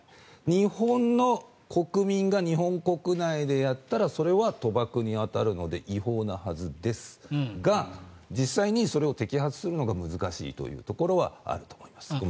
日本の国民が日本国内でやったらそれは賭博に当たるので違法なはずですが実際にそれを摘発するのが難しいというところはあるかと思います。